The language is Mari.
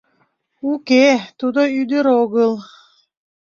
Уке, тудо ӱдыр огыл.